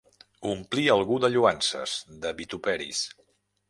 Omplir algú de lloances, de vituperis.